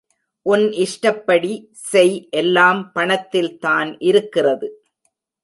உன் இஷ்டப் படி செய் எல்லாம் பணத்தில்தான் இருக்கிறது.